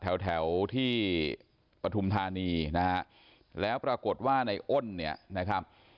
แถวแถวที่ปฐุมธานีนะฮะแล้วปรากฏว่าในอ้นเนี่ยนะครับ